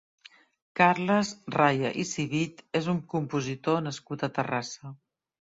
Carles Raya i Civit és un compositor nascut a Terrassa.